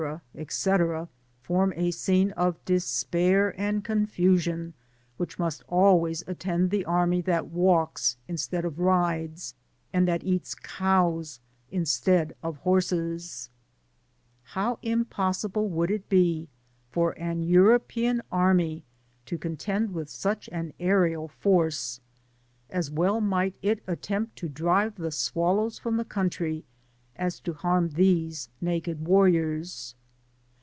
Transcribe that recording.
&c., form a scene of despair and confusion which must always attend the army that walks instead of rides, and that eats cows'*' instead of horses« How impossible trould it be for an European army to contend with such an aerial force ! As well might it attempt to drive the swallows from the coitotry, as to harm these naked warriors.